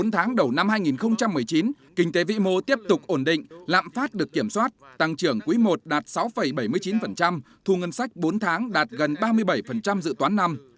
bốn tháng đầu năm hai nghìn một mươi chín kinh tế vĩ mô tiếp tục ổn định lạm phát được kiểm soát tăng trưởng quý i đạt sáu bảy mươi chín thu ngân sách bốn tháng đạt gần ba mươi bảy dự toán năm